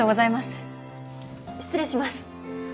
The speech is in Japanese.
失礼します。